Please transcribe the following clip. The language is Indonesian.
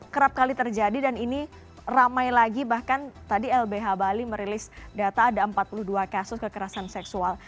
kerap kali terjadi dan ini ramai lagi bahkan tadi lbh bali merilis data ada empat puluh dua kasus kekerasan seksual